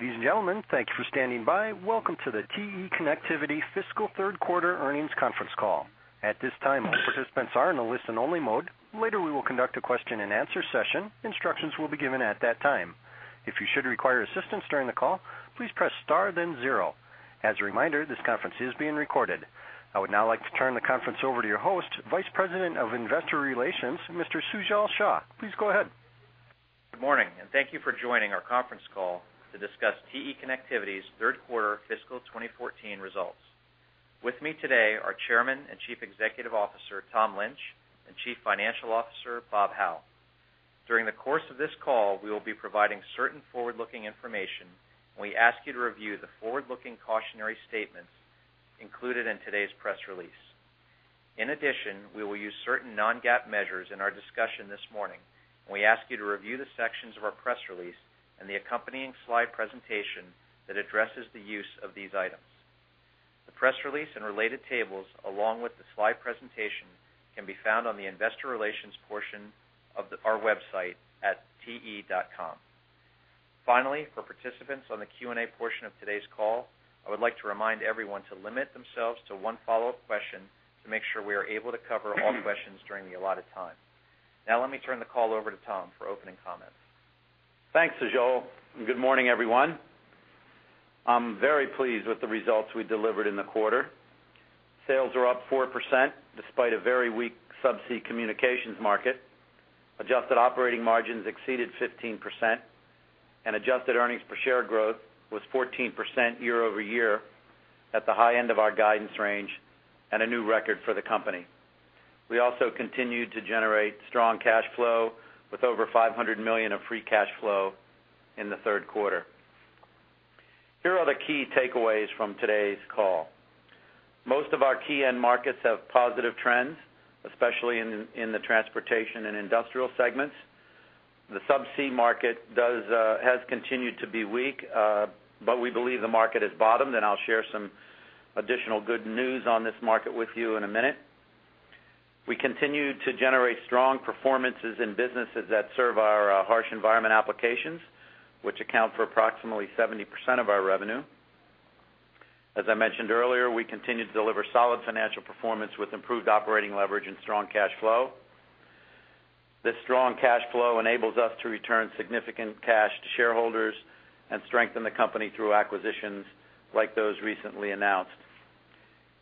Ladies and gentlemen, thank you for standing by. Welcome to the TE Connectivity fiscal third quarter earnings conference call. At this time, all participants are in a listen-only mode. Later, we will conduct a question-and-answer session. Instructions will be given at that time. If you should require assistance during the call, please press star then zero. As a reminder, this conference is being recorded. I would now like to turn the conference over to your host, Vice President of Investor Relations, Mr. Sujal Shah. Please go ahead. Good morning, and Thank you for joining our conference call to discuss TE Connectivity's third quarter fiscal 2014 results. With me today are Chairman and Chief Executive Officer, Tom Lynch, and Chief Financial Officer, Bob Hau. During the course of this call, we will be providing certain forward-looking information, and we ask you to review the forward-looking cautionary statements included in today's press release. In addition, we will use certain non-GAAP measures in our discussion this morning, and we ask you to review the sections of our press release and the accompanying slide presentation that addresses the use of these items. The press release and related tables, along with the slide presentation, can be found on the investor relations portion of our website at te.com. Finally, for participants on the Q&A portion of today's call, I would like to remind everyone to limit themselves to one follow-up question to make sure we are able to cover all questions during the allotted time. Now, let me turn the call over to Tom for opening comments. Thanks, Sujal, and good morning, everyone. I'm very pleased with the results we delivered in the quarter. Sales are up 4%, despite a very weak subsea communications market. Adjusted operating margins exceeded 15%, and Adjusted Earnings Per Share growth was 14% year-over-year, at the high end of our guidance range and a new record for the company. We also continued to generate strong cash flow, with over $500 million of free cash flow in the third quarter. Here are the key takeaways from today's call. Most of our key end markets have positive trends, especially in the Transportation and Industrial segments. The subsea market has continued to be weak, but we believe the market has bottomed, and I'll share some additional good news on this market with you in a minute. We continue to generate strong performances in businesses that serve our harsh environment applications, which account for approximately 70% of our revenue. As I mentioned earlier, we continue to deliver solid financial performance with improved operating leverage and strong cash flow. This strong cash flow enables us to return significant cash to shareholders and strengthen the company through acquisitions like those recently announced.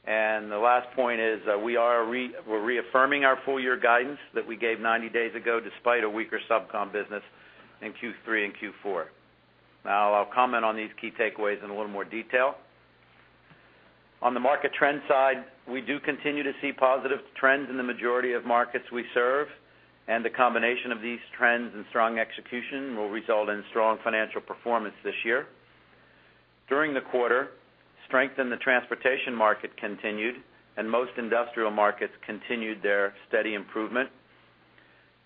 And the last point is, we're reaffirming our full-year guidance that we gave 90 days ago, despite a weaker SubCom business in Q3 and Q4. Now, I'll comment on these key takeaways in a little more detail. On the market trend side, we do continue to see positive trends in the majority of markets we serve, and the combination of these trends and strong execution will result in strong financial performance this year. During the quarter, strength in the transportation market continued, and most Industrial markets continued their steady improvement.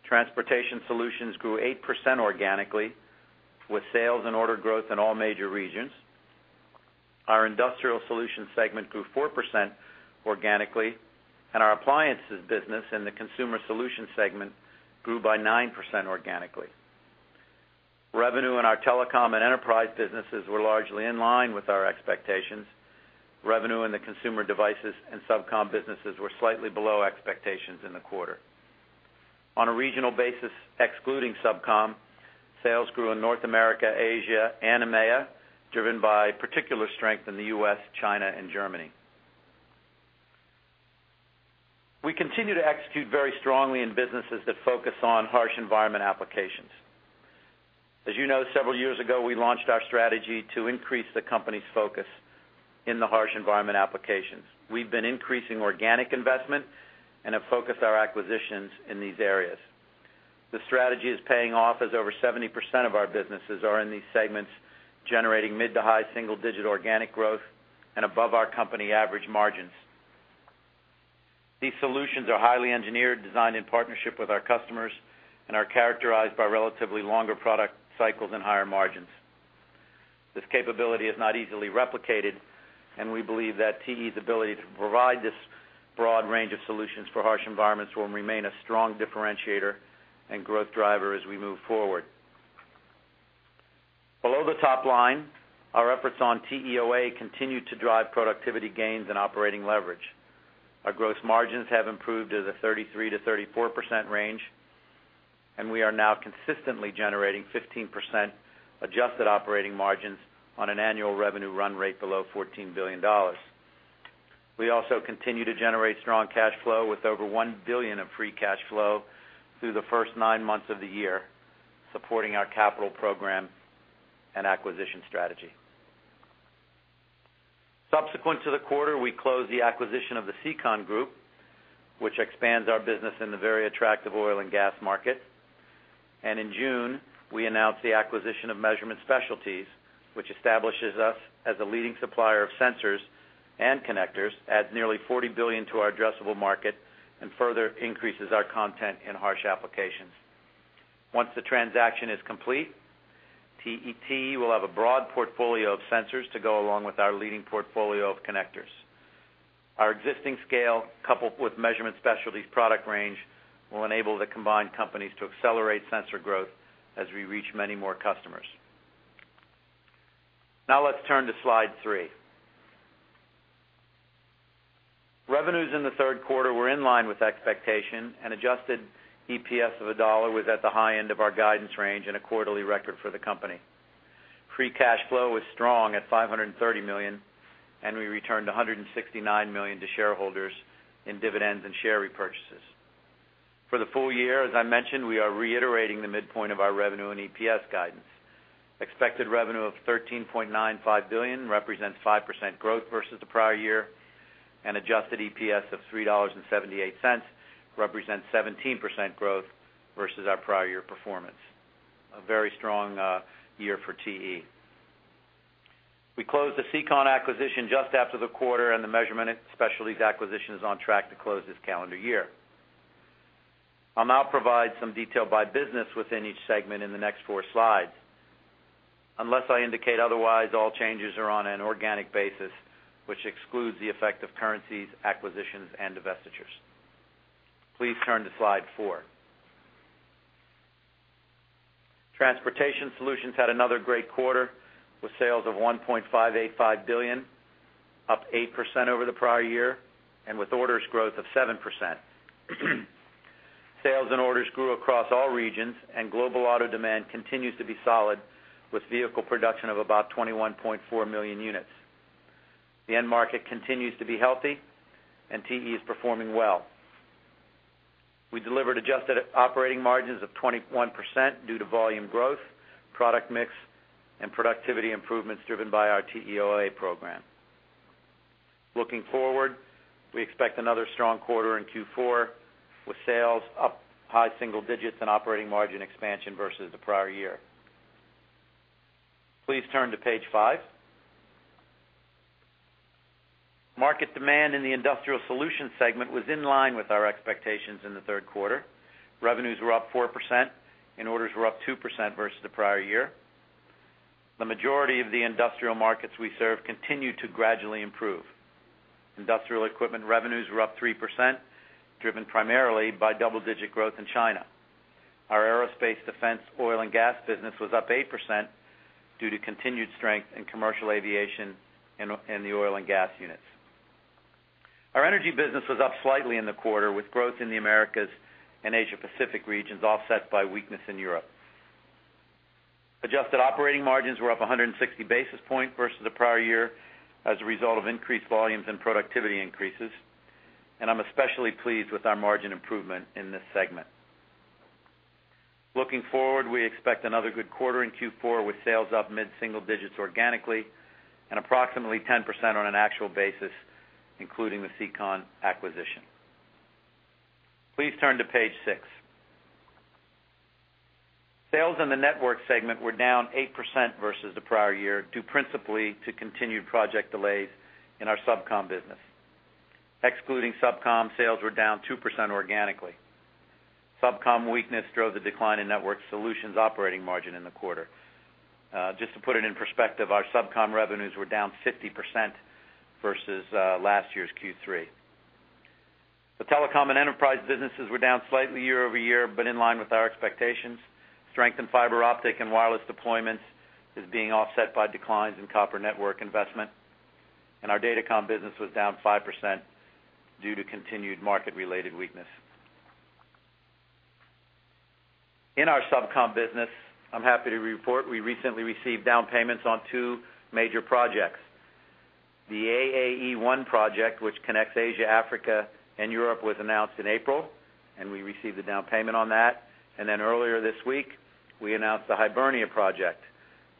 Transportation Solutions grew 8% organically, with sales and order growth in all major regions. Our Industrial Solutions segment grew 4% organically, and our appliances business in the Consumer Solutions segment grew by 9% organically. Revenue in our telecom and enterprise businesses were largely in line with our expectations. Revenue in the Consumer devices and SubCom businesses were slightly below expectations in the quarter. On a regional basis, excluding SubCom, sales grew in North America, Asia, and EMEA, driven by particular strength in the U.S., China, and Germany. We continue to execute very strongly in businesses that focus on harsh environment applications. As you know, several years ago, we launched our strategy to increase the company's focus in the harsh environment applications. We've been increasing organic investment and have focused our acquisitions in these areas. The strategy is paying off, as over 70% of our businesses are in these segments, generating mid to high single-digit organic growth and above our company average margins. These solutions are highly engineered, designed in partnership with our customers, and are characterized by relatively longer product cycles and higher margins. This capability is not easily replicated, and we believe that TE's ability to provide this broad range of solutions for harsh environments will remain a strong differentiator and growth driver as we move forward. Below the top line, our efforts on TEOA continue to drive productivity gains and operating leverage. Our gross margins have improved to the 33%-34% range, and we are now consistently generating 15% adjusted operating margins on an annual revenue run rate below $14 billion. We also continue to generate strong cash flow, with over $1 billion of free cash flow through the first nine months of the year, supporting our capital program and acquisition strategy. Subsequent to the quarter, we closed the acquisition of the SEACON Group, which expands our business in the very attractive oil and gas market. And in June, we announced the acquisition of Measurement Specialties, which establishes us as a leading supplier of sensors and connectors, adds nearly $40 billion to our addressable market, and further increases our content in harsh applications. Once the transaction is complete, TE will have a broad portfolio of sensors to go along with our leading portfolio of connectors. Our existing scale, coupled with Measurement Specialties' product range, will enable the combined companies to accelerate sensor growth as we reach many more customers. Now let's turn to slide three. Revenues in the third quarter were in line with expectation, and Adjusted EPS of $1 was at the high end of our guidance range and a quarterly record for the company. Free cash flow was strong at $530 million, and we returned $169 million to shareholders in dividends and share repurchases. For the full year, as I mentioned, we are reiterating the midpoint of our revenue and EPS guidance. Expected revenue of $13.95 billion represents 5% growth versus the prior year, and Adjusted EPS of $3.78 represents 17% growth versus our prior year performance. A very strong year for TE. We closed the SEACON acquisition just after the quarter, and the Measurement Specialties acquisition is on track to close this calendar year. I'll now provide some detail by business within each segment in the next four slides. Unless I indicate otherwise, all changes are on an organic basis, which excludes the effect of currencies, acquisitions, and divestitures. Please turn to slide four. Transportation Solutions had another great quarter, with sales of $1.585 billion, up 8% over the prior year, and with orders growth of 7%. Sales and orders grew across all regions, and global auto demand continues to be solid, with vehicle production of about 21.4 million units. The end market continues to be healthy, and TE is performing well. We delivered adjusted operating margins of 21% due to volume growth, product mix, and productivity improvements driven by our TEOA program. Looking forward, we expect another strong quarter in Q4, with sales up high single-digits and operating margin expansion versus the prior year. Please turn to page five. Market demand in the Industrial Solutions segment was in line with our expectations in the third quarter. Revenues were up 4%, and orders were up 2% versus the prior year. The majority of the Industrial markets we serve continue to gradually improve. Industrial equipment revenues were up 3%, driven primarily by double-digit growth in China. Our aerospace, defense, oil and gas business was up 8% due to continued strength in commercial aviation and the oil and gas units. Our energy business was up slightly in the quarter, with growth in the Americas and Asia Pacific regions offset by weakness in Europe. Adjusted operating margins were up 160 basis points versus the prior year as a result of increased volumes and productivity increases, and I'm especially pleased with our margin improvement in this segment. Looking forward, we expect another good quarter in Q4, with sales up mid-single-digits organically and approximately 10% on an actual basis, including the SEACON acquisition. Please turn to page six. Sales in the Networks segment were down 8% versus the prior year, due principally to continued project delays in our SubCom business. Excluding SubCom, sales were down 2% organically. SubCom weakness drove the decline Network Solutions operating margin in the quarter. Just to put it in perspective, our SubCom revenues were down 50% versus last year's Q3. The telecom and enterprise businesses were down slightly year-over-year, but in line with our expectations. Strength in fiber optic and wireless deployments is being offset by declines in copper network investment, and our datacom business was down 5% due to continued market-related weakness. In our SubCom business, I'm happy to report we recently received down payments on two major projects. The AAE-1 project, which connects Asia, Africa, and Europe, was announced in April, and we received a down payment on that. And then earlier this week, we announced the Hibernia project,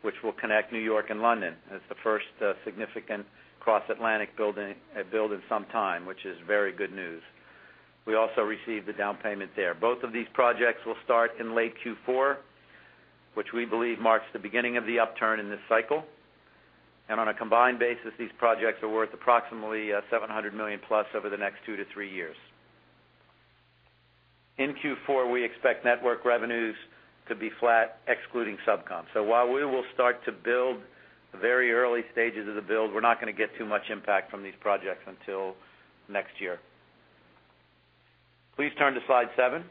which will connect New York and London. It's the first significant cross-Atlantic build in some time, which is very good news. We also received a down payment there. Both of these projects will start in late Q4, which we believe marks the beginning of the upturn in this cycle. On a combined basis, these projects are worth approximately $700 million+ over the next two-three years. In Q4, we expect Network revenues to be flat, excluding SubCom. So while we will start to build very early stages of the build, we're not going to get too much impact from these projects until next year. Please turn to slide seven.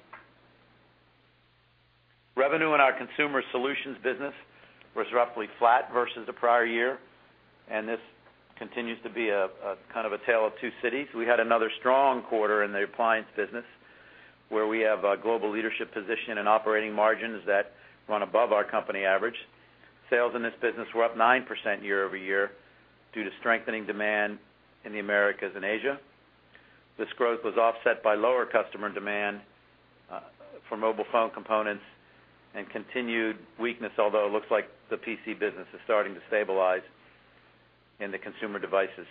Revenue in our Consumer Solutions business was roughly flat versus the prior year, and this continues to be a kind of a tale of two cities. We had another strong quarter in the appliance business, where we have a global leadership position and operating margins that run above our company average. Sales in this business were up 9% year-over-year due to strengthening demand in the Americas and Asia. This growth was offset by lower customer demand for mobile phone components and continued weakness, although it looks like the PC business is starting to stabilize in the Consumer devices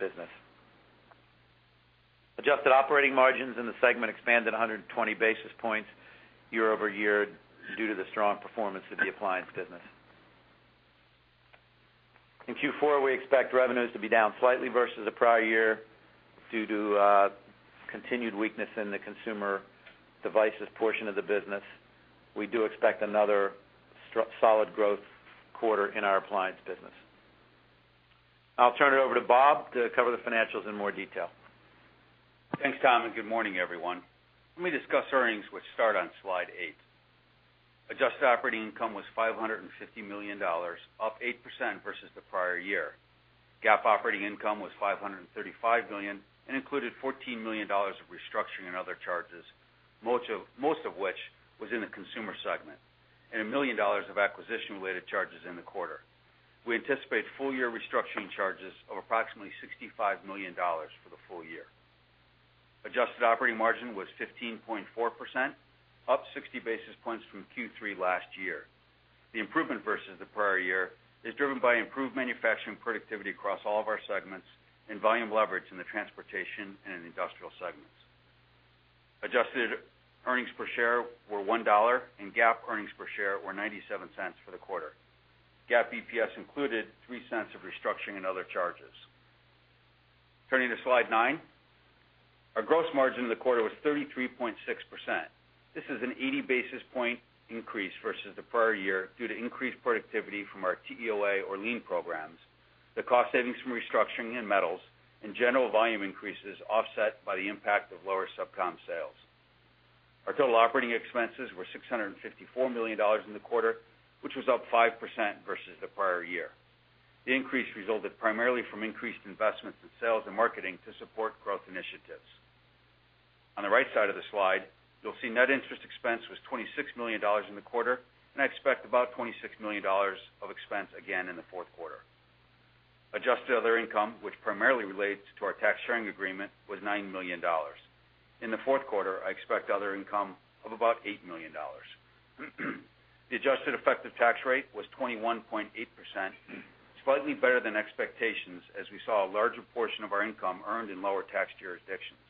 business. Adjusted operating margins in the segment expanded 120 basis points year-over-year due to the strong performance of the appliance business. In Q4, we expect revenues to be down slightly versus the prior year due to continued weakness in the Consumer devices portion of the business.... We do expect another solid growth quarter in our appliance business. I'll turn it over to Bob to cover the financials in more detail. Thanks, Tom, and good morning, everyone. Let me discuss earnings, which start on slide eight. Adjusted operating income was $550 million, up 8% versus the prior year. GAAP operating income was $535 million and included $14 million of restructuring and other charges, most of, most of which was in the Consumer segment, and $1 million of acquisition-related charges in the quarter. We anticipate full-year restructuring charges of approximately $65 million for the full-year. Adjusted operating margin was 15.4%, up 60 basis points from Q3 last year. The improvement versus the prior year is driven by improved manufacturing productivity across all of our segments and volume leverage in the Transportation and Industrial segments. Adjusted Earnings Per Share were $1, and GAAP earnings per share were $0.97 for the quarter. GAAP EPS included $0.03 of restructuring and other charges. Turning to slide nine. Our gross margin in the quarter was 33.6%. This is an 80 basis point increase versus the prior year due to increased productivity from our TEOA or lean programs, the cost savings from restructuring in metals, and general volume increases offset by the impact of lower SubCom sales. Our total operating expenses were $654 million in the quarter, which was up 5% versus the prior year. The increase resulted primarily from increased investments in sales and marketing to support growth initiatives. On the right side of the slide, you'll see net interest expense was $26 million in the quarter, and I expect about $26 million of expense again in the fourth quarter. Adjusted other income, which primarily relates to our tax sharing agreement, was $9 million. In the fourth quarter, I expect other income of about $8 million. The adjusted effective tax rate was 21.8%, slightly better than expectations, as we saw a larger portion of our income earned in lower tax jurisdictions.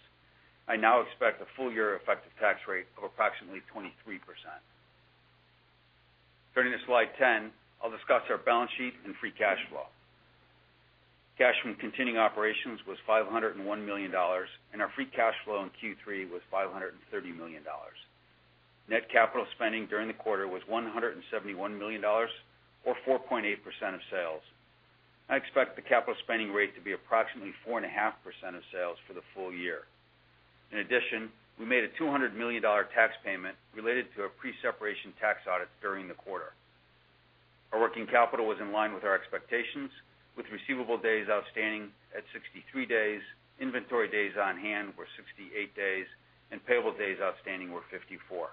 I now expect a full-year effective tax rate of approximately 23%. Turning to slide 10, I'll discuss our balance sheet and free cash flow. Cash from continuing operations was $501 million, and our free cash flow in Q3 was $530 million. Net capital spending during the quarter was $171 million, or 4.8% of sales. I expect the capital spending rate to be approximately 4.5% of sales for the full year. In addition, we made a $200 million tax payment related to a pre-separation tax audit during the quarter. Our working capital was in line with our expectations, with receivable days outstanding at 63 days, inventory days on hand were 68 days, and payable days outstanding were 54.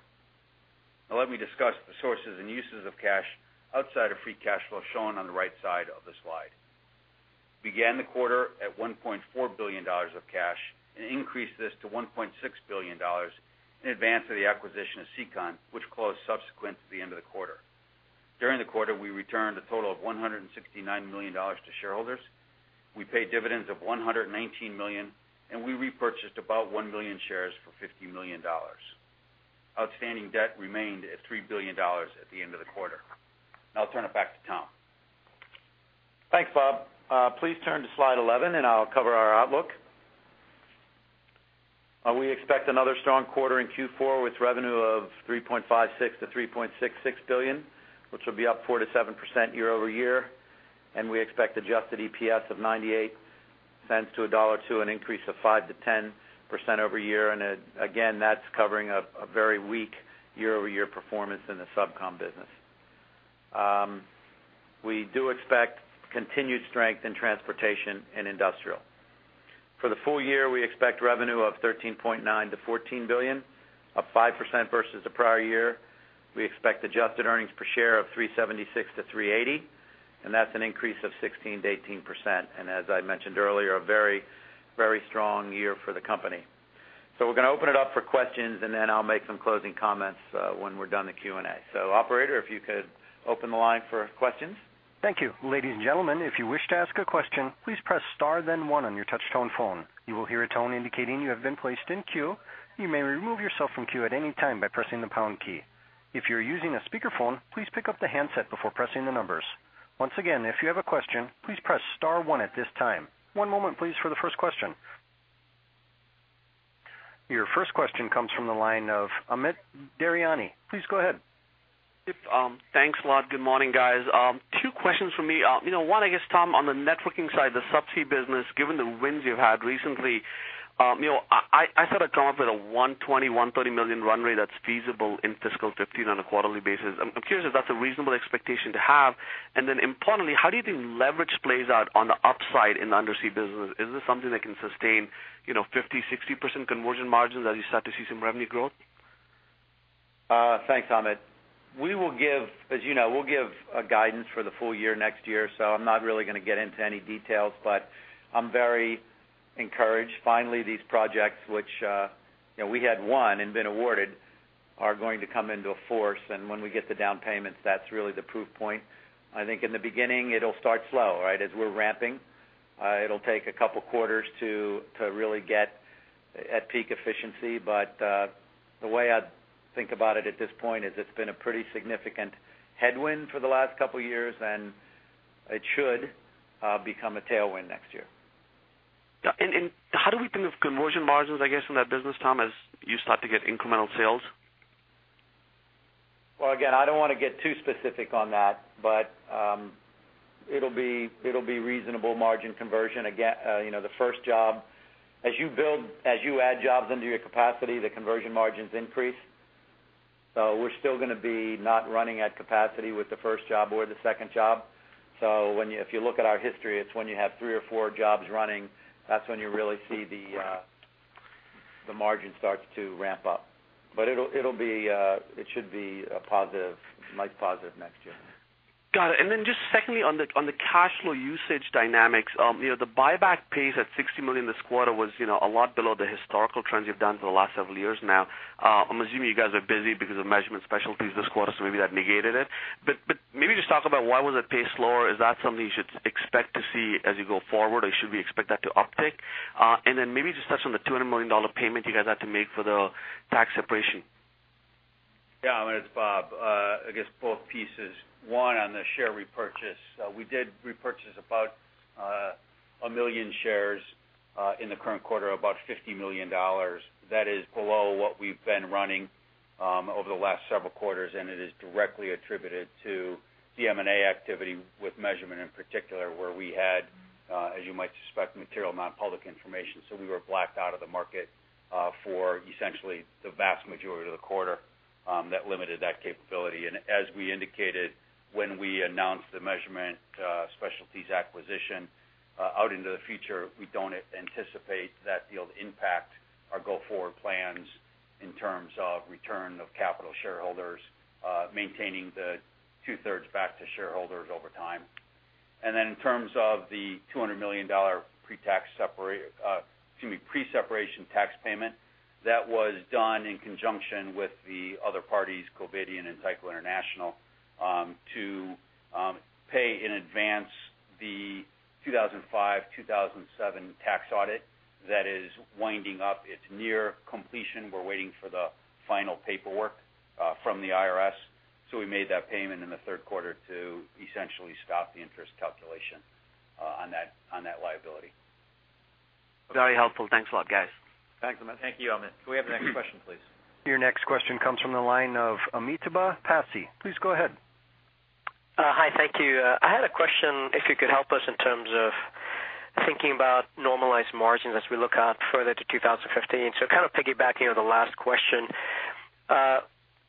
Now, let me discuss the sources and uses of cash outside of free cash flow, shown on the right side of the slide. Began the quarter at $1.4 billion of cash and increased this to $1.6 billion in advance of the acquisition of SEACON, which closed subsequent to the end of the quarter. During the quarter, we returned a total of $169 million to shareholders. We paid dividends of $119 million, and we repurchased about 1 million shares for $50 million. Outstanding debt remained at $3 billion at the end of the quarter. Now I'll turn it back to Tom. Thanks, Bob. Please turn to slide 11 and I'll cover our outlook. We expect another strong quarter in Q4 with revenue of $3.56 billion-$3.66 billion, which will be up 4%-7% year-over-year, and we expect Adjusted EPS of $0.98-$1.02, an increase of 5%-10% year-over-year, and again, that's covering a very weak year-over-year performance in the SubCom business. We do expect continued strength in Transportation and Industrial. For the full year, we expect revenue of $13.9 billion-$14 billion, up 5% versus the prior year. We expect Adjusted Earnings Per Share of $3.76-$3.80, and that's an increase of 16%-18%, and as I mentioned earlier, a very, very strong year for the company. So we're gonna open it up for questions, and then I'll make some closing comments, when we're done with the Q&A. So Operator, if you could open the line for questions. Thank you. Ladies and gentlemen, if you wish to ask a question, please press star then one on your touchtone phone. You will hear a tone indicating you have been placed in queue. You may remove yourself from queue at any time by pressing the pound key. If you're using a speakerphone, please pick up the handset before pressing the numbers. Once again, if you have a question, please press star one at this time. One moment, please, for the first question. Your first question comes from the line of Amit Daryanani. Please go ahead. Yep, thanks a lot. Good morning, guys. Two questions from me. You know, one, I guess, Tom, on the networking side, the Subsea business, given the wins you've had recently, you know, I saw a comment with a $120 million-$130 million run rate that's feasible in fiscal 2015 on a quarterly basis. I'm curious if that's a reasonable expectation to have. And then importantly, how do you think leverage plays out on the upside in the Subsea business? Is this something that can sustain, you know, 50%-60% conversion margins as you start to see some revenue growth? Thanks, Amit. We will give—as you know, we'll give a guidance for the full year next year, so I'm not really gonna get into any details. But I'm very encouraged. Finally, these projects, which, you know, we had won and been awarded, are going to come into force, and when we get the down payments, that's really the proof point. I think in the beginning, it'll start slow, right? As we're ramping, it'll take a couple quarters to really get at peak efficiency. But the way I'd think about it at this point is it's been a pretty significant headwind for the last couple years, and it should become a tailwind next year.... Yeah, and, and how do we think of conversion margins, I guess, from that business, Tom, as you start to get incremental sales? Well, again, I don't want to get too specific on that, but it'll be reasonable margin conversion. Again, you know, the first job, as you build, as you add jobs into your capacity, the conversion margins increase. So we're still gonna be not running at capacity with the first job or the second job. So, if you look at our history, it's when you have three or four jobs running, that's when you really see the margin start to ramp up. But it'll, it'll be, it should be a positive, nice positive next year. Got it. And then just secondly, on the cash flow usage dynamics, you know, the buyback pace at $60 million this quarter was, you know, a lot below the historical trends you've done for the last several years now. I'm assuming you guys are busy because of Measurement Specialties this quarter, so maybe that negated it. But maybe just talk about why was that pace slower? Is that something you should expect to see as you go forward, or should we expect that to uptick? And then maybe just touch on the $200 million payment you guys had to make for the tax separation. Yeah, it's Bob. I guess both pieces. One, on the share repurchase, we did repurchase about 1 million shares in the current quarter, about $50 million. That is below what we've been running over the last several quarters, and it is directly attributed to the M&A activity with Measurement in particular, where we had, as you might suspect, material non-public information. So we were blacked out of the market for essentially the vast majority of the quarter, that limited that capability. And as we indicated, when we announced the Measurement Specialties acquisition, out into the future, we don't anticipate that deal to impact our go-forward plans in terms of return of capital shareholders, maintaining the 2/3 back to shareholders over time. And then in terms of the $200 million pre-tax pre-separation tax payment, that was done in conjunction with the other parties, Covidien and Tyco International, to pay in advance the 2005, 2007 tax audit that is winding up. It's near completion. We're waiting for the final paperwork from the IRS. So we made that payment in the third quarter to essentially stop the interest calculation on that, on that liability. Very helpful. Thanks a lot, guys. Thanks, Amit. Thank you, Amit. Can we have the next question, please? Your next question comes from the line of Amitabh Passi. Please go ahead. Hi, thank you. I had a question, if you could help us in terms of thinking about normalized margins as we look out further to 2015. So kind of piggybacking on the last question.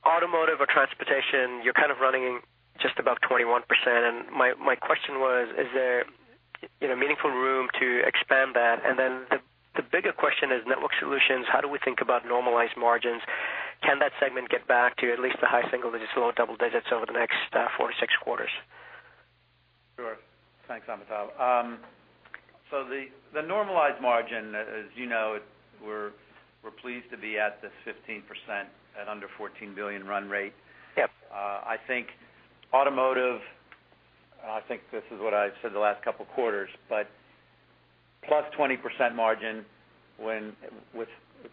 Automotive or transportation, you're kind of running just above 21%. And my, my question was, is there, you know, meaningful room to expand that? And then the, the bigger question is Network Solutions, how do we think about normalized margins? Can that segment get back to at least the high single-digits, low double-digits over the next four to six quarters? Sure. Thanks, Amitabh. So the normalized margin, as you know, we're pleased to be at the 15% at under $14 billion run rate. Yep. I think automotive, I think this is what I've said the last couple of quarters, but +20% margin when with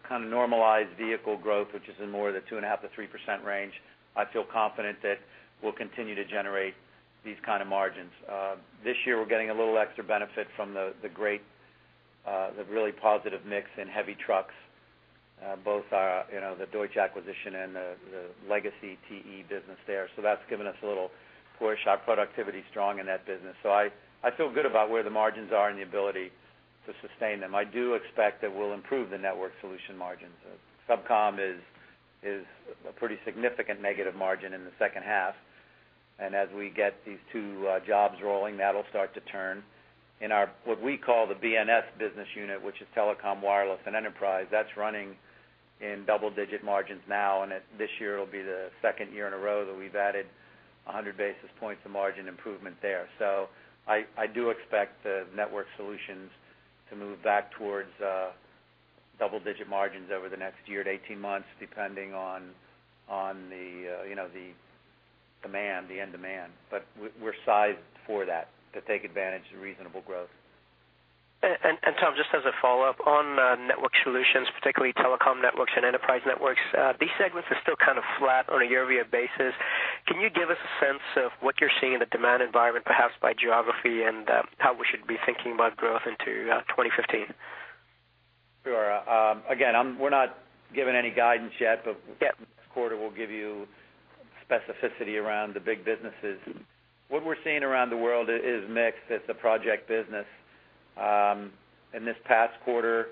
kind of normalized vehicle growth, which is in more of the 2.5%-3% range, I feel confident that we'll continue to generate these kind of margins. This year, we're getting a little extra benefit from the, the great, the really positive mix in heavy trucks, both our, you know, the Deutsch acquisition and the, the legacy TE business there. So that's given us a little push, our productivity is strong in that business. So I feel good about where the margins are and the ability to sustain them. I do expect that we'll improve the Network Solution margins. SubCom is a pretty significant negative margin in the second half, and as we get these two jobs rolling, that'll start to turn. In our what we call the BNS business unit, which is Telecom, Wireless, and Enterprise, that's running in double-digit margins now, and this year will be the second year in a row that we've added 100 basis points of margin improvement there. So I do expect the Network Solutions to move back towards double-digit margins over the next year to 18 months, depending on you know, the demand, the end demand. But we're sized for that, to take advantage of reasonable growth. Tom, just as a follow-up, on the Network Solutions, particularly Telecom Networks and Enterprise Networks, these segments are still kind of flat on a year-over-year basis. Can you give us a sense of what you're seeing in the demand environment, perhaps by geography, and how we should be thinking about growth into 2015? Sure. Again, we're not giving any guidance yet, but- Yep. -quarter, we'll give you specificity around the big businesses. What we're seeing around the world is mixed. It's a project business. In this past quarter,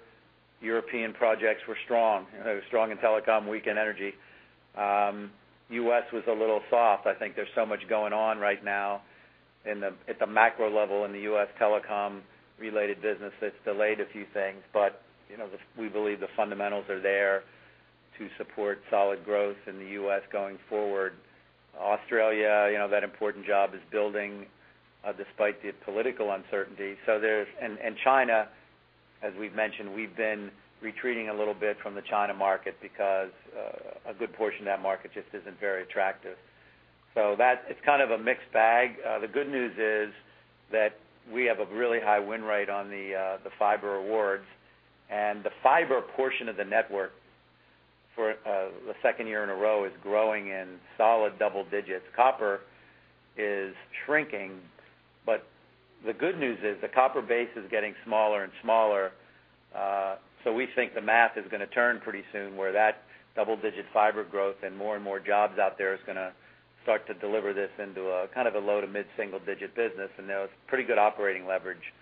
European projects were strong, strong in Telecom, weak in Energy. U.S. was a little soft. I think there's so much going on right now in the macro level in the U.S. Telecom related business that's delayed a few things, but, you know, the, we believe the fundamentals are there to support solid growth in the U.S. going forward. Australia, you know, that important job is building, despite the political uncertainty. So there's and China, as we've mentioned, we've been retreating a little bit from the China market because a good portion of that market just isn't very attractive. So that's, it's kind of a mixed bag. The good news is that we have a really high win rate on the fiber awards. The fiber portion of the Network for the second year in a row is growing in solid double-digits. Copper is shrinking, but the good news is the copper base is getting smaller and smaller. So we think the math is gonna turn pretty soon, where that double-digit fiber growth and more and more jobs out there is gonna start to deliver this into a kind of a low to mid-single-digit business. And there's pretty good operating leverage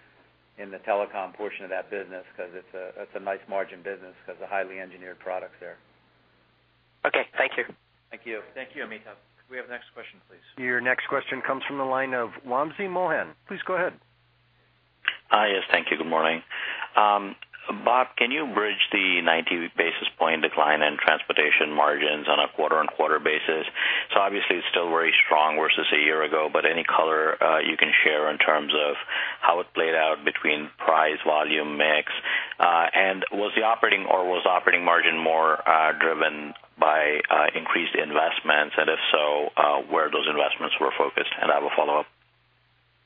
in the telecom portion of that business, 'cause it's a nice margin business 'cause of highly engineered products there. Okay. Thank you. Thank you. Thank you, Amit. Can we have the next question, please? Your next question comes from the line of Wamsi Mohan. Please go ahead. Hi. Yes, thank you. Good morning. Bob, can you bridge the 90 basis point decline in transportation margins on a quarter-on-quarter basis? So obviously, it's still very strong versus a year ago, but any color you can share in terms of how it played out between price, volume, mix? And was the operating or was operating margin more driven by increased investments, and if so, where those investments were focused? And I have a follow-up.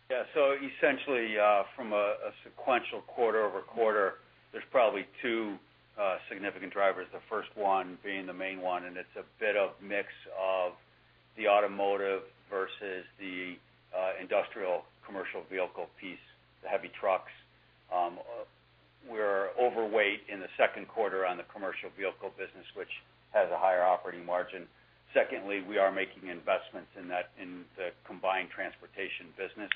Yeah. So essentially, from a sequential quarter-over-quarter, there's probably two significant drivers, the first one being the main one, and it's a bit of mix of the automotive versus the Industrial commercial vehicle piece, the heavy trucks. We're overweight in the second quarter on the commercial vehicle business, which has a higher operating margin. Secondly, we are making investments in the combined transportation business,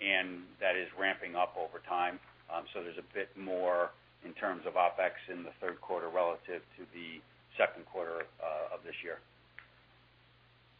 and that is ramping up over time. So there's a bit more in terms of OpEx in the third quarter relative to the second quarter of this year.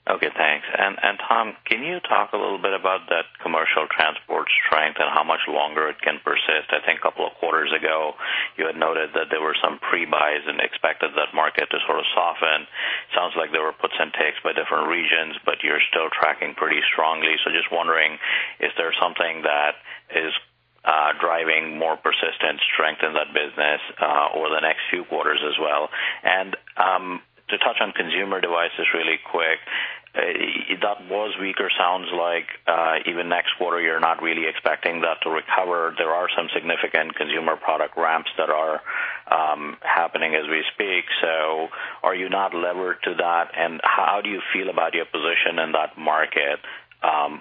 Okay, thanks. And Tom, can you talk a little bit about that commercial transport strength and how much longer it can persist? I think a couple of quarters ago, you had noted that there were some pre-buys and expected that market to sort of soften. Sounds like there were puts and takes by different regions, but you're still tracking pretty strongly. So just wondering, is there something that is driving more persistent strength in that business over the next few quarters as well? And to touch on Consumer devices really quick, that was weaker. Sounds like even next quarter, you're not really expecting that to recover. There are some significant consumer product ramps that are happening as we speak. So are you not levered to that, and how do you feel about your position in that market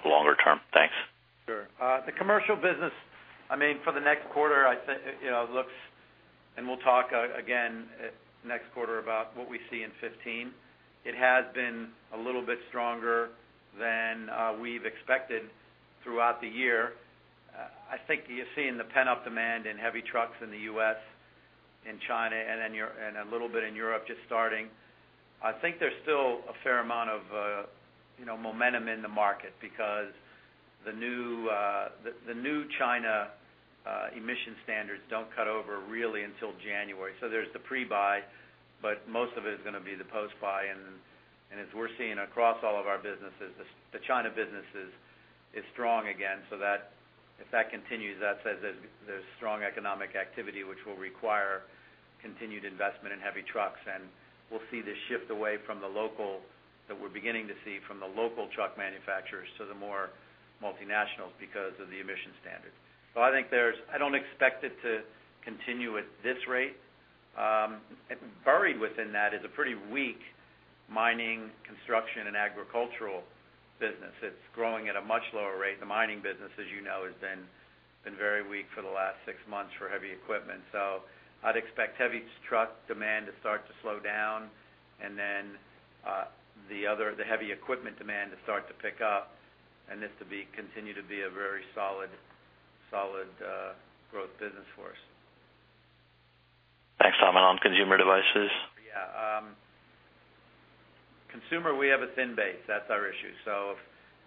longer term? Thanks. Sure. The commercial business, I mean, for the next quarter, I think, you know, looks, and we'll talk again next quarter about what we see in 2015. It has been a little bit stronger than we've expected throughout the year. I think you're seeing the pent-up demand in heavy trucks in the U.S., in China, and then and a little bit in Europe, just starting. I think there's still a fair amount of, you know, momentum in the market because the new, the, the new China emission standards don't cut over really until January. So there's the pre-buy, but most of it is gonna be the post-buy. And as we're seeing across all of our businesses, the the China business is strong again. So that, if that continues, that says that there's strong economic activity, which will require continued investment in heavy trucks. And we'll see this shift away from the local, that we're beginning to see from the local truck manufacturers to the more multinationals because of the emission standards. So I think there's. I don't expect it to continue at this rate. Buried within that is a pretty weak mining, construction, and agricultural business. It's growing at a much lower rate. The mining business, as you know, has been very weak for the last six months for heavy equipment. So I'd expect heavy truck demand to start to slow down, and then, the other, the heavy equipment demand to start to pick up, and this to continue to be a very solid growth business for us. Thanks, Tom. And on Consumer devices? Yeah. Consumer, we have a thin base. That's our issue. So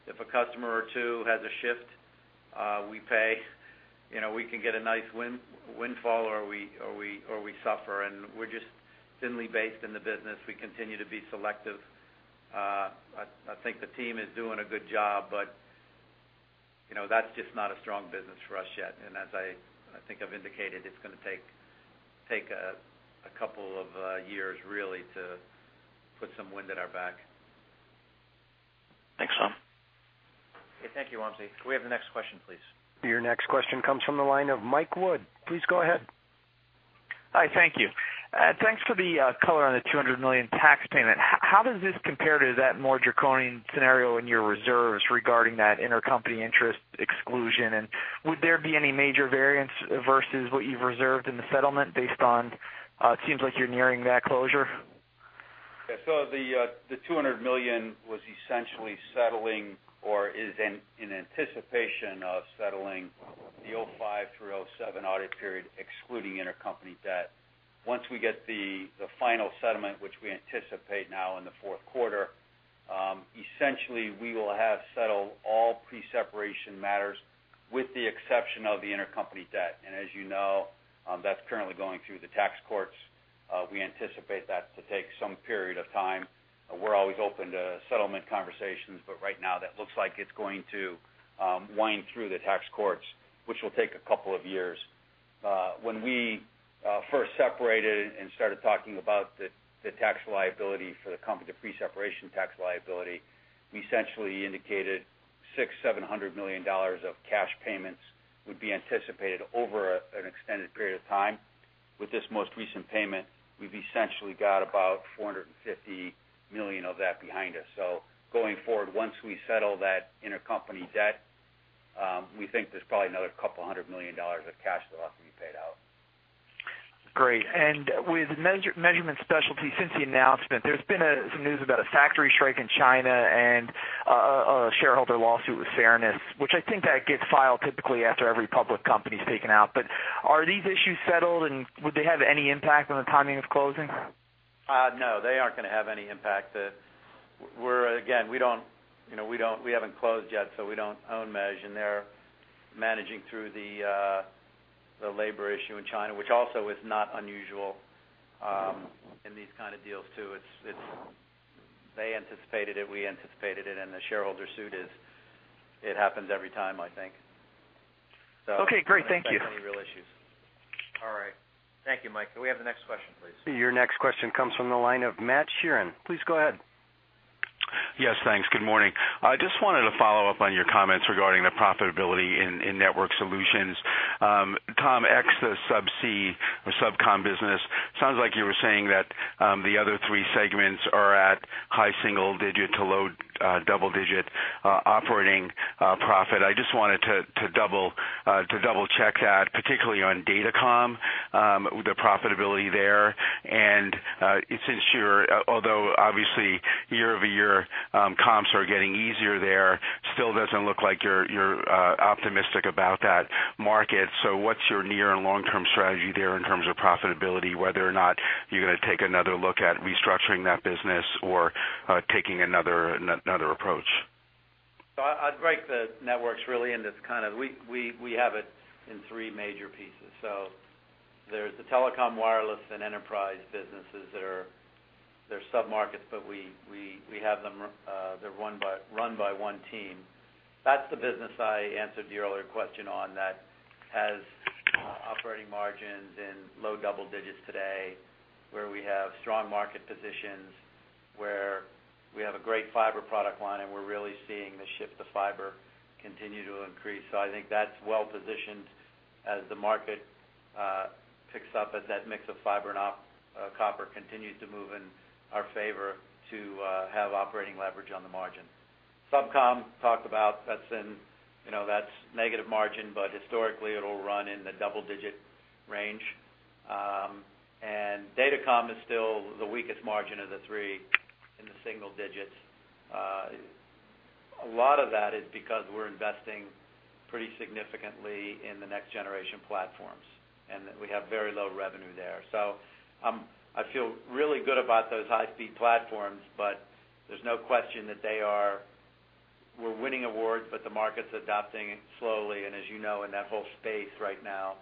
if a customer or two has a shift, we pay. You know, we can get a nice windfall, or we suffer, and we're just thinly based in the business. We continue to be selective. I think the team is doing a good job, but you know, that's just not a strong business for us yet. And as I think I've indicated, it's gonna take a couple of years really to put some wind at our back. Thanks, Tom. Okay. Thank you, Wamsi. Can we have the next question, please? Your next question comes from the line of Mike Wood. Please go ahead. Hi, thank you. Thanks for the color on the $200 million tax payment. How does this compare to that more draconian scenario in your reserves regarding that intercompany interest exclusion? And would there be any major variance versus what you've reserved in the settlement based on it seems like you're nearing that closure? Yeah. So the two hundred million was essentially settling or is in anticipation of settling the 2005 through 2007 audit period, excluding intercompany debt. Once we get the final settlement, which we anticipate now in the fourth quarter, essentially, we will have settled all pre-separation matters, with the exception of the intercompany debt. And as you know, that's currently going through the tax courts. We anticipate that to take some period of time. We're always open to settlement conversations, but right now, that looks like it's going to wind through the tax courts, which will take a couple of years. When we first separated and started talking about the tax liability for the company, the pre-separation tax liability, we essentially indicated $600 million-$700 million of cash payments would be anticipated over an extended period of time. With this most recent payment, we've essentially got about $450 million of that behind us. So going forward, once we settle that intercompany debt, we think there's probably another couple of hundred million dollars of cash that will have to be paid out. Great. And with Measurement Specialties, since the announcement, there's been some news about a factory strike in China and a shareholder lawsuit with fairness, which I think that gets filed typically after every public company's taken out. But are these issues settled, and would they have any impact on the timing of closing? No, they aren't gonna have any impact. We're, again, we don't, you know, we don't, we haven't closed yet, so we don't own MEAS, and they're managing through the the labor issue in China, which also is not unusual, in these kind of deals, too. It's. They anticipated it, we anticipated it, and the shareholder suit is, it happens every time, I think. So- Okay, great. Thank you. Any real issues. All right. Thank you, Mike. Can we have the next question, please? Your next question comes from the line of Matt Sheerin. Please go ahead. Yes, thanks. Good morning. I just wanted to follow up on your comments regarding the profitability in Network Solutions. Com X, the SubCom business, sounds like you were saying that the other three segments are at high single-digit to low double-digit operating profit. I just wanted to double-check that, particularly on datacom, the profitability there. And it seems you're. Although obviously, year-over-year comps are getting easier there, still doesn't look like you're optimistic about that market. So what's your near and long-term strategy there in terms of profitability, whether or not you're gonna take another look at restructuring that business or taking another approach? So I'd break the Networks really into kind of. We have it in three major pieces. So there's the Telecom, Wireless, and Enterprise businesses that are, they're submarkets, but we have them, they're run by one team. That's the business I answered your earlier question on, that has operating margins in low double-digits today, where we have strong market positions, where we have a great fiber product line, and we're really seeing the shift to fiber continue to increase. So I think that's well positioned as the market picks up, as that mix of fiber and copper continues to move in our favor to have operating leverage on the margin. SubCom talked about, that's in, you know, that's negative margin, but historically, it'll run in the double-digit range. And datacom is still the weakest margin of the three, in the single-digits. A lot of that is because we're investing pretty significantly in the next generation platforms, and that we have very low revenue there. So, I feel really good about those high-speed platforms, but there's no question that they are. We're winning awards, but the market's adopting it slowly. And as you know, in that whole space right now,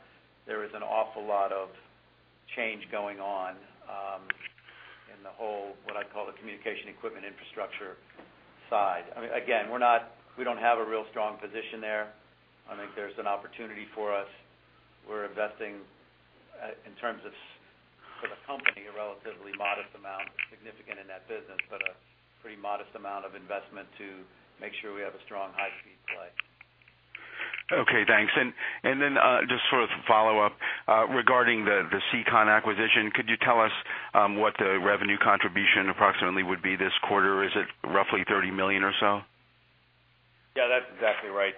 there is an awful lot of change going on in the whole, what I call the communication equipment infrastructure side. I mean, again, we're not. We don't have a real strong position there. I think there's an opportunity for us. We're investing in terms of, for the company, a relatively modest amount, significant in that business, but a pretty modest amount of investment to make sure we have a strong high-speed play. Okay, thanks. And, and then, just sort of follow up, regarding the SEACON acquisition, could you tell us what the revenue contribution approximately would be this quarter? Is it roughly $30 million or so? Yeah, that's exactly right.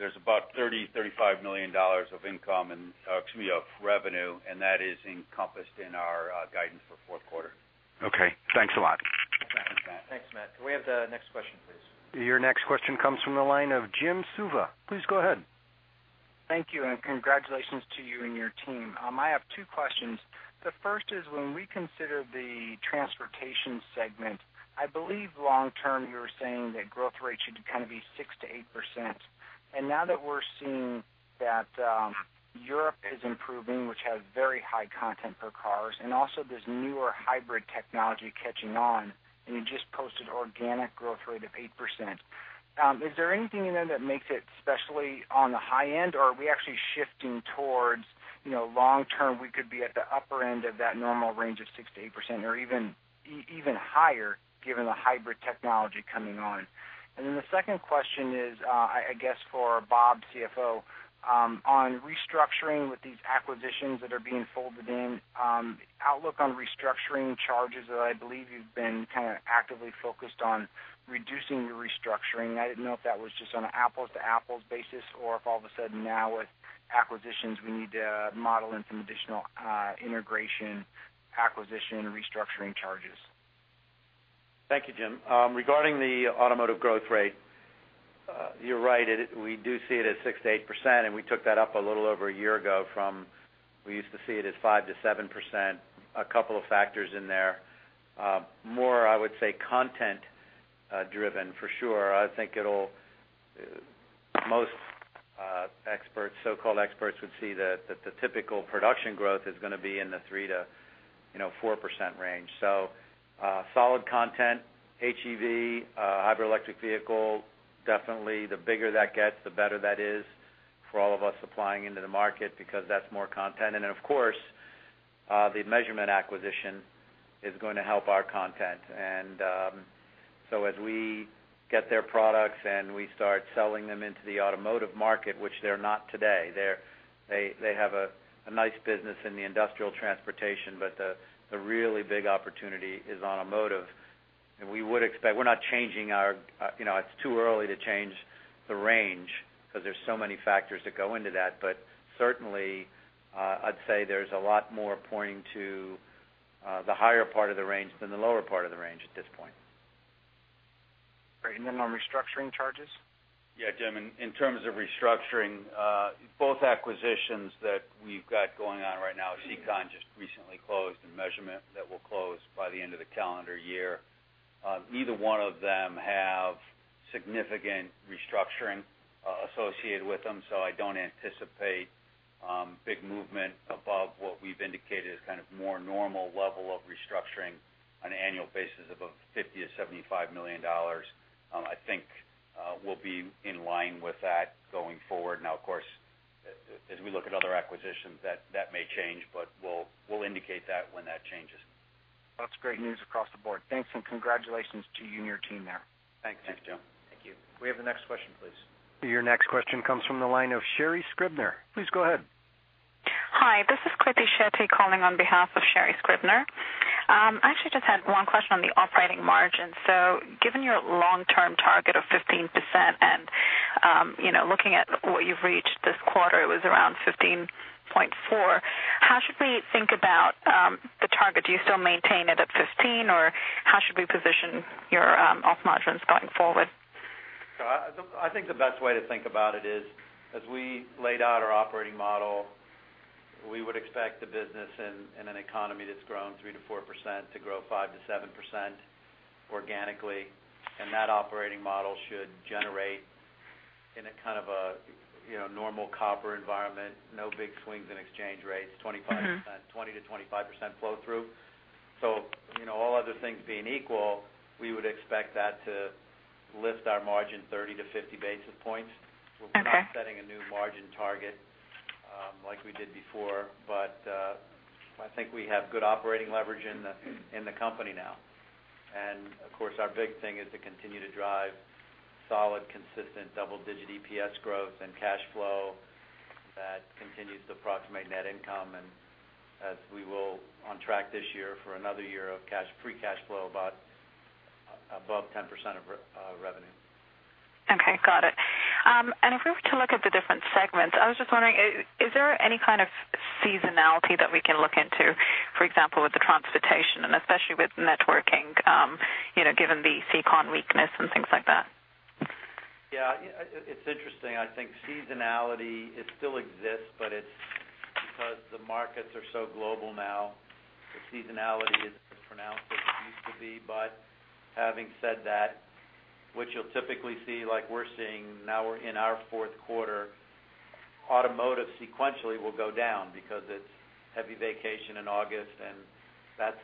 There's about $30 million-$35 million of income and, excuse me, of revenue, and that is encompassed in our guidance for fourth quarter. Okay, thanks a lot. Thanks, Matt. Thanks, Matt. Can we have the next question, please? Your next question comes from the line of Jim Suva. Please go ahead. Thank you, and congratulations to you and your team. I have two questions. The first is, when we consider the transportation segment, I believe long term, you were saying that growth rate should kind of be 6%-8%. And now that we're seeing that, Europe is improving, which has very high content for cars, and also there's newer hybrid technology catching on, and you just posted organic growth rate of 8%. Is there anything in there that makes it especially on the high end, or are we actually shifting towards, you know, long term, we could be at the upper end of that normal range of 6%-8% or even, even higher, given the hybrid technology coming on? Then the second question is, I guess for Bob, CFO, on restructuring with these acquisitions that are being folded in, outlook on restructuring charges that I believe you've been kind of actively focused on reducing your restructuring. I didn't know if that was just on an apples-to-apples basis, or if all of a sudden now with acquisitions, we need to model in some additional, integration, acquisition, restructuring charges. Thank you, Jim. Regarding the automotive growth rate, you're right, it, we do see it at 6%-8%, and we took that up a little over a year ago from, we used to see it at 5%-7%. A couple of factors in there. More, I would say, content driven, for sure. I think it'll... Most, experts, so-called experts, would see that, that the typical production growth is gonna be in the three to, you know, four percent range. So, solid content, HEV, hybrid electric vehicle, definitely, the bigger that gets, the better that is for all of us supplying into the market, because that's more content. And then, of course, the Measurement acquisition is going to help our content. So as we get their products and we start selling them into the automotive market, which they're not today, they have a nice business in the Industrial Transportation, but the really big opportunity is automotive. We would expect we're not changing our, you know, it's too early to change the range because there's so many factors that go into that. But certainly, I'd say there's a lot more pointing to the higher part of the range than the lower part of the range at this point. Great. And then on restructuring charges? Yeah, Jim, in terms of restructuring, both acquisitions that we've got going on right now, SEACON just recently closed, and Measurement that will close by the end of the calendar year. Neither one of them have significant restructuring associated with them, so I don't anticipate big movement above what we've indicated as kind of more normal level of restructuring on an annual basis of $50 million-$75 million. I think we'll be in line with that going forward. Now, of course, as we look at other acquisitions, that may change, but we'll indicate that when that changes. Well, that's great news across the board. Thanks, and congratulations to you and your team there. Thanks, Jim. Thank you. Can we have the next question, please? Your next question comes from the line of Sherri Scribner. Please go ahead. Hi, this is Krithi Shetty calling on behalf of Sherri Scribner. I actually just had one question on the operating margin. So given your long-term target of 15% and, you know, looking at what you've reached this quarter, it was around 15.4%. How should we think about the target? Do you still maintain it at 15%, or how should we position your op margins going forward? So I think the best way to think about it is, as we laid out our operating model, we would expect the business in an economy that's grown 3%-4% to grow 5%-7% organically, and that operating model should generate in a kind of, you know, normal copper environment, no big swings in exchange rates. Mm-hmm. 25%, 20%-25% flow through. So, you know, all other things being equal, we would expect that to lift our margin 30 basis points-50 basis points. Okay. We're not setting a new margin target, like we did before, but, I think we have good operating leverage in the, in the company now. And of course, our big thing is to continue to drive solid, consistent, double-digit EPS growth and cash flow that continues to approximate net income. And as we're on track this year for another year of cash free cash flow above about 10% of revenue. Okay, got it. And if we were to look at the different segments, I was just wondering, is there any kind of seasonality that we can look into, for example, with the transportation and especially with networking, you know, given the SEACON weakness and things like that? Yeah, it's interesting. I think seasonality, it still exists, but it's because the markets are so global now, the seasonality isn't as pronounced as it used to be. But having said that, what you'll typically see, like we're seeing now in our fourth quarter, automotive sequentially will go down because it's heavy vacation in August, and that's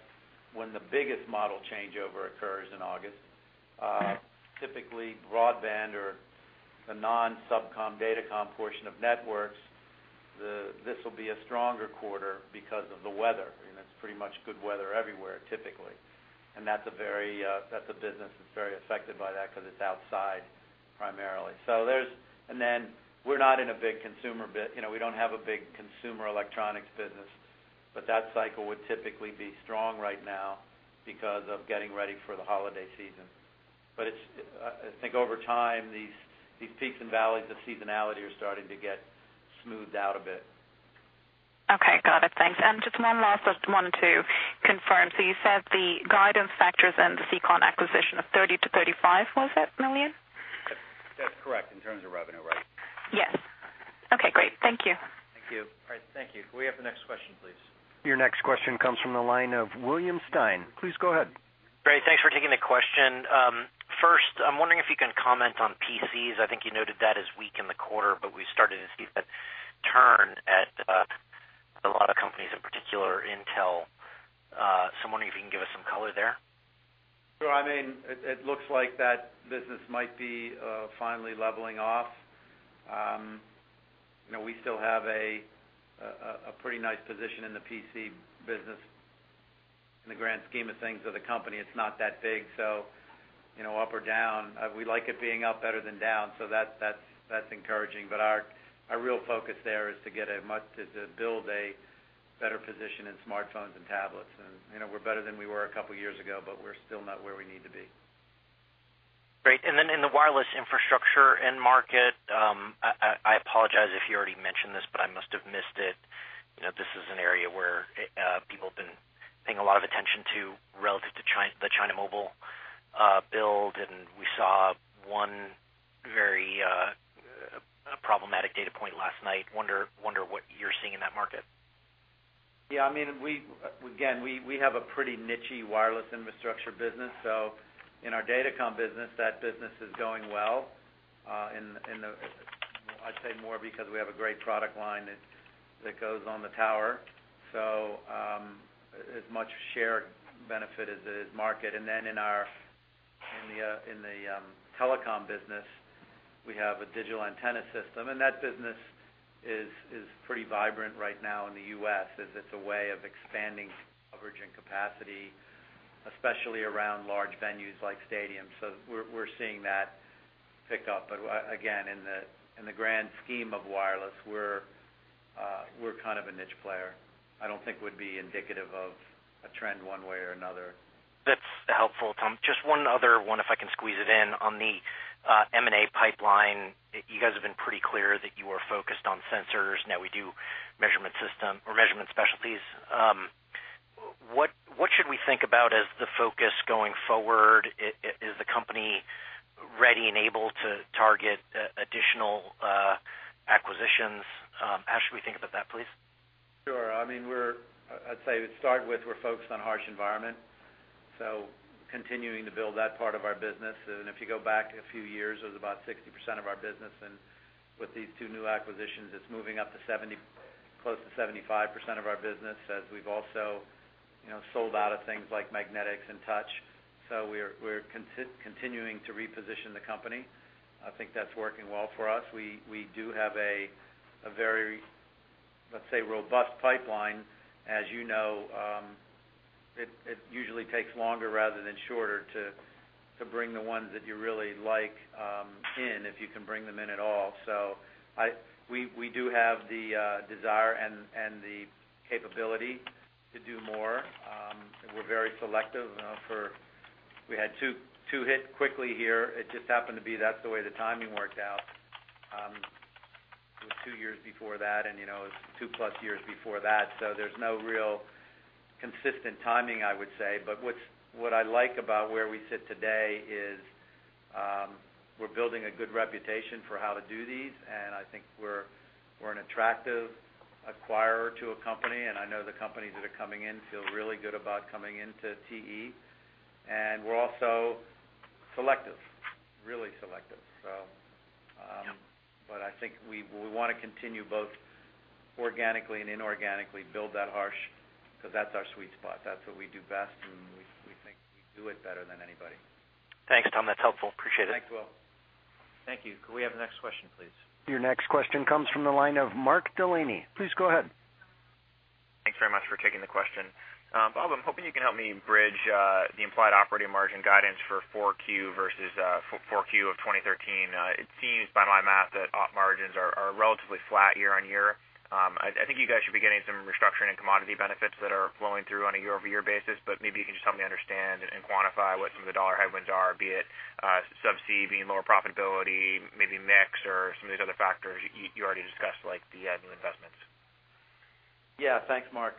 when the biggest model changeover occurs in August. Typically, broadband or the non-SubCom datacom portion of Networks, this will be a stronger quarter because of the weather. I mean, it's pretty much good weather everywhere, typically. And that's a very, that's a business that's very affected by that because it's outside primarily. And then we're not in a big Consumer business—you know, we don't have a big Consumer electronics business, but that cycle would typically be strong right now because of getting ready for the holiday season. But it's, I think over time, these, these peaks and valleys of seasonality are starting to get smoothed out a bit. Okay. Got it. Thanks. Just one last one to confirm. So you said the guidance factors and the SEACON acquisition of $30 million-$35 million, was it? That's correct, in terms of revenue, right? Yes. Okay, great. Thank you. Thank you. All right, thank you. Can we have the next question, please? Your next question comes from the line of William Stein. Please go ahead. Great, thanks for taking the question. First, I'm wondering if you can comment on PCs. I think you noted that as weak in the quarter, but we started to see that turn at a lot of companies, in particular, Intel. So, I'm wondering if you can give us some color there. So I mean, it looks like that business might be finally leveling off. You know, we still have a pretty nice position in the PC business. In the grand scheme of things of the company, it's not that big. So, you know, up or down, we like it being up better than down, so that's encouraging. But our real focus there is to get as much—to build a better position in smartphones and tablets. And, you know, we're better than we were a couple of years ago, but we're still not where we need to be. Great. And then in the wireless infrastructure end market, I apologize if you already mentioned this, but I must have missed it. You know, this is an area where people have been paying a lot of attention to relative to the China Mobile build, and we saw one very problematic data point last night. Wonder what you're seeing in that market. Yeah, I mean, again, we have a pretty niche-y wireless infrastructure business. So in our datacom business, that business is going well. I'd say more because we have a great product line that goes on the tower, so as much shared benefit as the market. And then in the telecom business, we have a digital antenna system, and that business is pretty vibrant right now in the U.S., as it's a way of expanding coverage and capacity, especially around large venues like stadiums. So we're seeing that pick up. But again, in the grand scheme of wireless, we're kind of a niche player. I don't think would be indicative of a trend one way or another. That's helpful, Tom. Just one other one, if I can squeeze it in. On the M&A pipeline, you guys have been pretty clear that you are focused on sensors. Now, we do Measurement Specialties. What should we think about as the focus going forward? Is the company ready and able to target additional acquisitions? How should we think about that, please? Sure. I mean, I'd say to start with, we're focused on harsh environment, so continuing to build that part of our business. And if you go back a few years, it was about 60% of our business, and with these two new acquisitions, it's moving up to 70%, close to 75% of our business, as we've also, you know, sold out of things like magnetics and touch. So we're continuing to reposition the company. I think that's working well for us. We do have a very, let's say, robust pipeline. As you know, it usually takes longer rather than shorter to bring the ones that you really like in, if you can bring them in at all. So we do have the desire and the capability to do more. We're very selective, you know. We had two, two hit quickly here. It just happened to be that's the way the timing worked out. It was two years before that, and, you know, it was two-plus years before that. So there's no real consistent timing, I would say. But what I like about where we sit today is, we're building a good reputation for how to do these, and I think we're, we're an attractive acquirer to a company, and I know the companies that are coming in feel really good about coming into TE. And we're also selective, really selective. So, Yeah. But I think we want to continue both organically and inorganically, build that harsh, because that's our sweet spot. That's what we do best, and we think we do it better than anybody. Thanks, Tom. That's helpful. Appreciate it. Thanks, Will. Thank you. Could we have the next question, please? Your next question comes from the line of Mark Delaney. Please go ahead. Thanks very much for taking the question. Bob, I'm hoping you can help me bridge the implied operating margin guidance for Q4 versus Q4 of 2013. It seems by my math that op margins are relatively flat year-on-year. I think you guys should be getting some restructuring and commodity benefits that are flowing through on a year-over-year basis, but maybe you can just help me understand and quantify what some of the dollar headwinds are, be it subsea being lower profitability, maybe mix or some of these other factors you already discussed, like the new investments. Yeah. Thanks, Mark.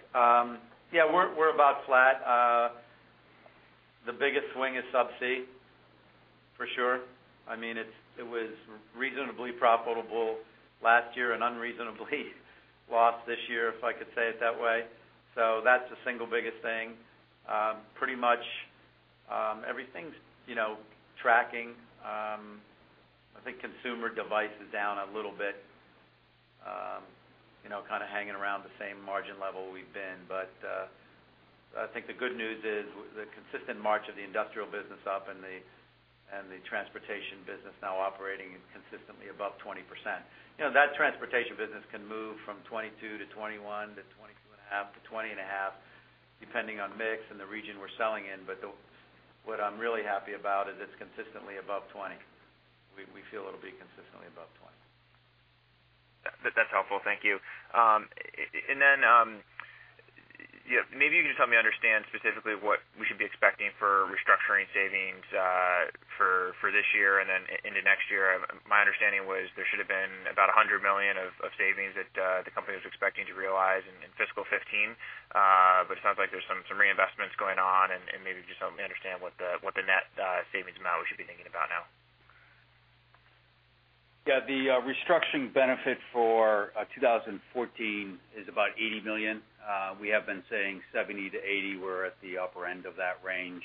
Yeah, we're about flat. The biggest swing is subsea, for sure. I mean, it was reasonably profitable last year and unreasonably lost this year, if I could say it that way. So that's the single biggest thing. Pretty much, everything's, you know, tracking. I think Consumer device is down a little bit, you know, kind of hanging around the same margin level we've been. But, I think the good news is the consistent march of the Industrial business up and the, and the transportation business now operating consistently above 20%. You know, that transportation business can move from 22%-21% to 22.5%-20.5%, depending on mix and the region we're selling in. But what I'm really happy about is it's consistently above 20%. We feel it'll be consistently above 20%. That's helpful. Thank you. And then, maybe you can just help me understand specifically what we should be expecting for restructuring savings for this year and then into next year. My understanding was there should have been about $100 million of savings that the company was expecting to realize in fiscal 2015. But it sounds like there's some reinvestments going on, and maybe just help me understand what the net savings amount we should be thinking about now. Yeah, the restructuring benefit for 2014 is about $80 million. We have been saying $70 million-$80 million. We're at the upper end of that range.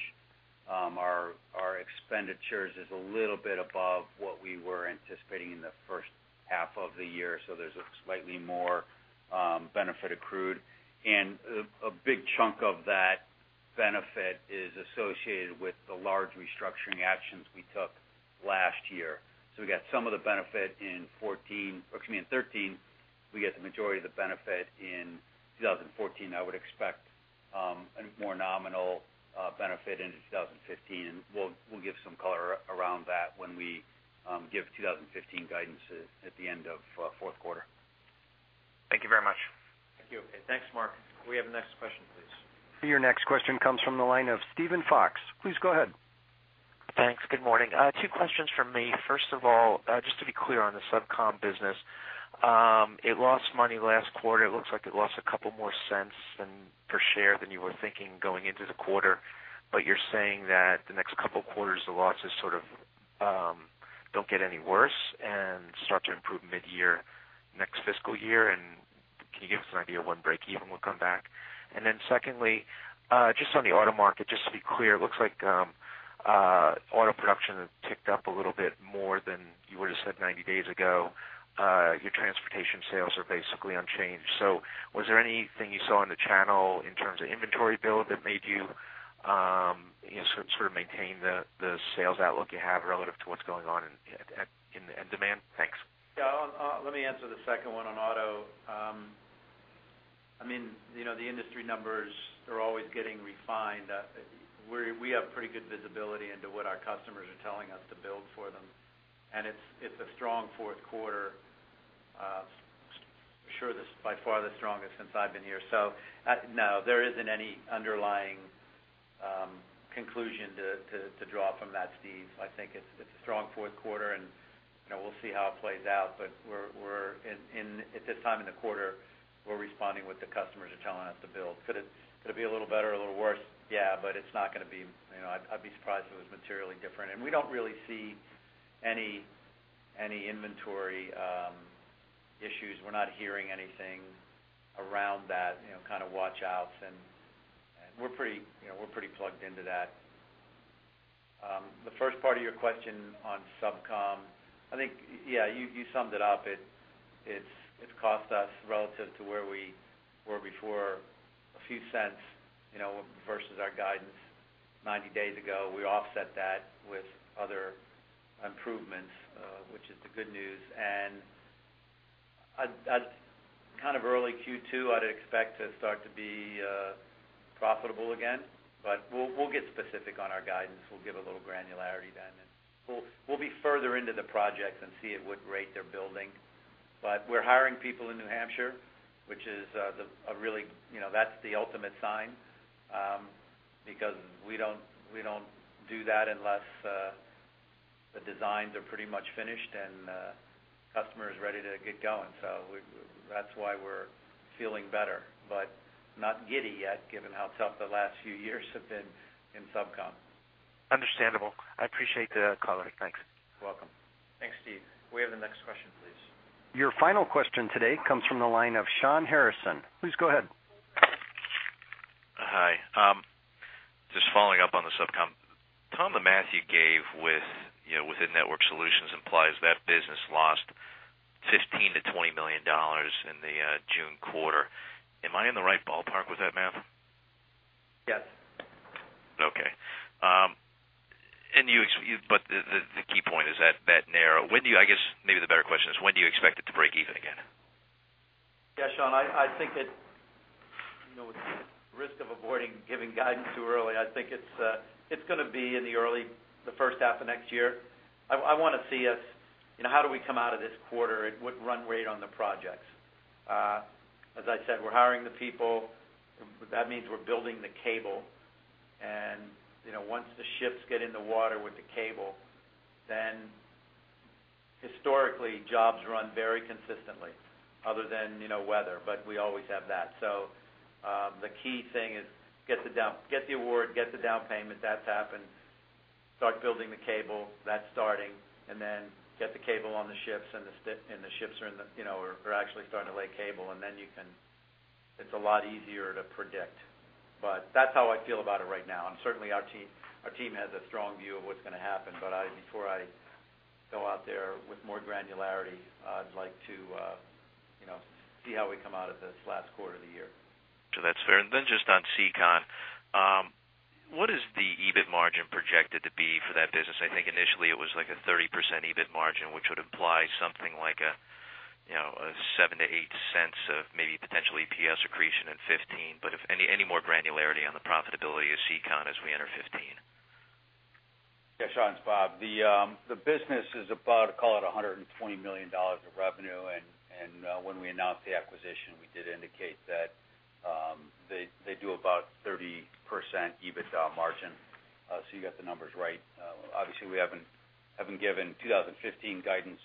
Our expenditures is a little bit above what we were anticipating in the first half of the year, so there's a slightly more benefit accrued. And a big chunk of that benefit is associated with the large restructuring actions we took last year. So we got some of the benefit in 2014, or excuse me, in 2013. We get the majority of the benefit in 2014. I would expect a more nominal benefit in 2015. We'll give some color around that when we give 2015 guidance at the end of fourth quarter. Thank you very much. Thank you. Thanks, Mark. Could we have the next question, please? Your next question comes from the line of Steven Fox. Please go ahead. Thanks. Good morning. Two questions from me. First of all, just to be clear on the SubCom business, it lost money last quarter. It looks like it lost a couple more cents than per share than you were thinking going into the quarter, but you're saying that the next couple of quarters, the losses sort of don't get any worse and start to improve mid-year, next fiscal year, and can you give us an idea of when breakeven will come back? And then secondly, just on the auto market, just to be clear, it looks like auto production has ticked up a little bit more than you would have said 90 days ago. Your transportation sales are basically unchanged. So was there anything you saw in the channel in terms of inventory build that made you, you know, sort of maintain the sales outlook you have relative to what's going on in the end demand? Thanks.... Yeah, let me answer the second one on auto. I mean, you know, the industry numbers are always getting refined. We have pretty good visibility into what our customers are telling us to build for them, and it's a strong fourth quarter. Sure, this by far the strongest since I've been here. So, no, there isn't any underlying conclusion to draw from that, Steve. I think it's a strong fourth quarter, and, you know, we'll see how it plays out. But we're in at this time in the quarter, we're responding what the customers are telling us to build. Could it be a little better or a little worse? Yeah, but it's not gonna be, you know... I'd be surprised if it was materially different. And we don't really see any inventory issues. We're not hearing anything around that, you know, kind of watch outs, and we're pretty, you know, pretty plugged into that. The first part of your question on SubCom, I think, yeah, you summed it up. It's cost us relative to where we were before, a few cents, you know, versus our guidance 90 days ago. We offset that with other improvements, which is the good news. And I'd kind of early Q2, I'd expect to start to be profitable again, but we'll get specific on our guidance. We'll give a little granularity then, and we'll be further into the project and see at what rate they're building. But we're hiring people in New Hampshire, which is a really, you know, that's the ultimate sign. Because we don't, we don't do that unless the designs are pretty much finished and customer is ready to get going. So that's why we're feeling better, but not giddy yet, given how tough the last few years have been in SubCom. Understandable. I appreciate the color. Thanks. You're welcome. Thanks, Steve. We have the next question, please. Your final question today comes from the line of Sean Harrison. Please go ahead. Hi. Just following up on the SubCom. Tom, the math you gave with, you know, Network Solutions implies that business lost $15 million-$20 million in the June quarter. Am I in the right ballpark with that math? Yes. Okay. But the key point is that narrow. I guess maybe the better question is, when do you expect it to break even again? Yeah, Sean, I think it, you know, with the risk of avoiding giving guidance too early, I think it's gonna be in the early, the first half of next year. I wanna see us, you know, how do we come out of this quarter at what run rate on the projects? As I said, we're hiring the people. That means we're building the cable. And, you know, once the ships get in the water with the cable, then historically, jobs run very consistently other than, you know, weather, but we always have that. So, the key thing is get the award, get the down payment. That's happened. Start building the cable, that's starting, and then get the cable on the ships, and the ships are in the, you know, are actually starting to lay cable, and then you can... It's a lot easier to predict. But that's how I feel about it right now, and certainly our team, our team has a strong view of what's gonna happen. But I, before I go out there with more granularity, I'd like to, you know, see how we come out of this last quarter of the year. So that's fair. And then just on SEACON, what is the EBIT margin projected to be for that business? I think initially it was like a 30% EBIT margin, which would imply something like a, you know, a $0.07-$0.08 of maybe potential EPS accretion in 2015. But if any more granularity on the profitability of SEACON as we enter 2015. Yeah, Sean, it's Bob. The business is about, call it $120 million of revenue, and when we announced the acquisition, we did indicate that they do about 30% EBITDA margin. So you got the numbers right. Obviously, we haven't given 2015 guidance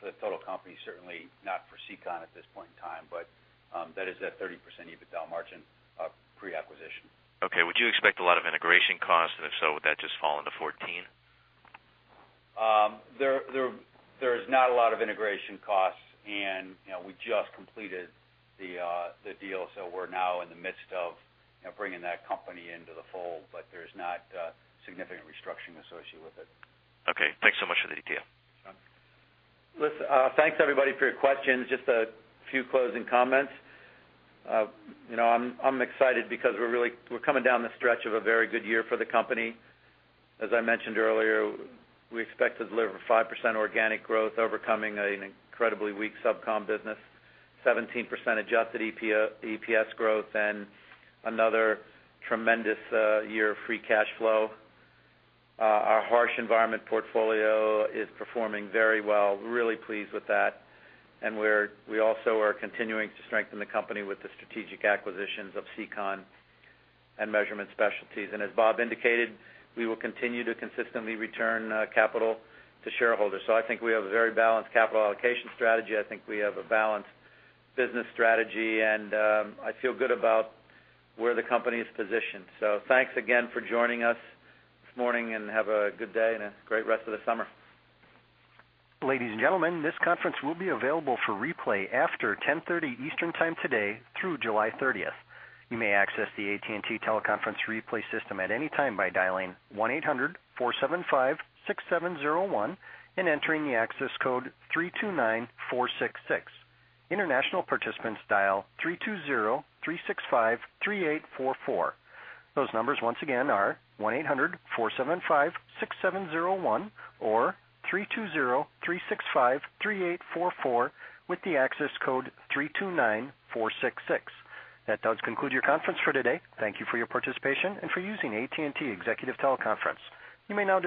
for the total company, certainly not for SEACON at this point in time, but that is at 30% EBITDA margin pre-acquisition. Okay. Would you expect a lot of integration costs? If so, would that just fall into 2014? There, there's not a lot of integration costs and, you know, we just completed the deal, so we're now in the midst of, you know, bringing that company into the fold, but there's not significant restructuring associated with it. Okay. Thanks so much for the detail. Listen, thanks, everybody, for your questions. Just a few closing comments. You know, I'm excited because we're really—we're coming down the stretch of a very good year for the company. As I mentioned earlier, we expect to deliver 5% organic growth, overcoming an incredibly weak SubCom business, 17% Adjusted EPS growth, and another tremendous year of free cash flow. Our harsh environment portfolio is performing very well. We're really pleased with that, and we also are continuing to strengthen the company with the strategic acquisitions of SEACON and Measurement Specialties. And as Bob indicated, we will continue to consistently return capital to shareholders. So I think we have a very balanced capital allocation strategy. I think we have a balanced business strategy, and I feel good about where the company is positioned. Thanks again for joining us this morning, and have a good day and a great rest of the summer. Ladies and gentlemen, this conference will be available for replay after 10:30 Eastern Time today through July 30th. You may access the AT&T teleconference replay system at any time by dialing 1-800-475-6701 and entering the access code 329466. International participants, dial 320-365-3844. Those numbers once again are 1-800-475-6701 or 320-365-3844, with the access code 329466. That does conclude your conference for today. Thank you for your participation and for using AT&T Executive Teleconference. You may now disconnect.